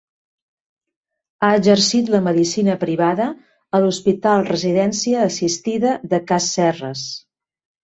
Ha exercit la medicina privada a l'Hospital Residència Assistida de Cas Serres.